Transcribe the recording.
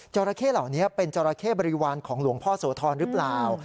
ราเข้เหล่านี้เป็นจราเข้บริวารของหลวงพ่อโสธรหรือเปล่า